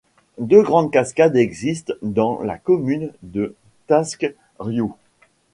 Deux grandes cascades existent dans la commune de Taskriout.